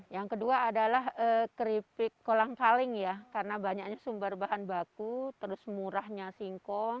yang kedua adalah keripik kolang kaling ya karena banyaknya sumber bahan baku terus murahnya singkong